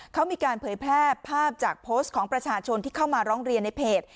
เขามีการเผยแพร่ภาพจากโพสต์ของประชาชนที่เข้ามาร้องเรียนในเพจ